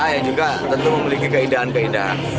yang juga tentu memiliki keindahan keindahan